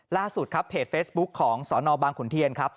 ล่าสุดครับเพจเฟซบุ๊คของสนบางขุนเทียนครับ